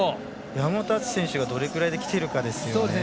山本篤選手がどれぐらいできているかですよね。